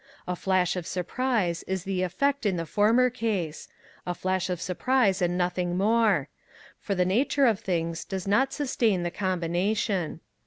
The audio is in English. A flash of surprise is the effect in the former case; a flash of surprise, and nothing more; for the nature of things does not sustain the combination.